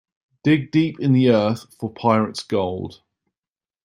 Dig deep in the earth for pirate's gold.